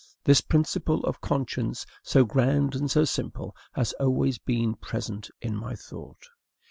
This principle of conscience, so grand and so simple, has always been present in my thought.